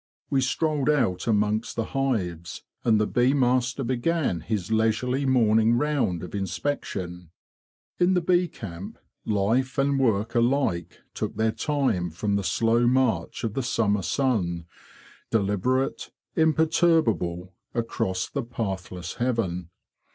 We strolled out amongst the hives, and the bee master began his leisurely morning round of inspection. In the bee camp, life and work alike took their time from the slow march of the summer sun, deliberate, imperturbable, across the pathless heaven.